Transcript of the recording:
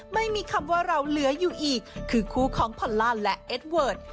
ไม่มีคำว่าเราเหลืออยู่อีกคือคู่ของพอลล่าและเอ็ดเวิร์ด